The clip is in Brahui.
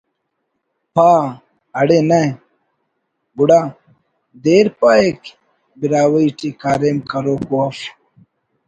…… پا…… اڑے نہ ……گڑا…… دیر پاہک براہوئی ٹی کاریم کروک ءُ اف